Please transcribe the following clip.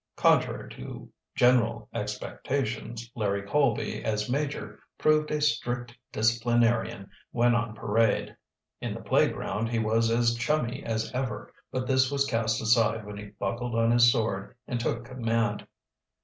Contrary to general expectations, Larry Colby, as major, proved a strict disciplinarian when on parade. In the playground he was as "chummy" as ever, but this was cast aside when he buckled on his sword and took command.